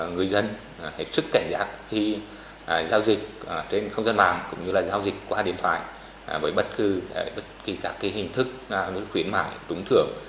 người dân hết sức cảnh giác khi giao dịch trên không gian mạng cũng như là giao dịch qua điện thoại với bất cứ các hình thức khuyến mại trúng thưởng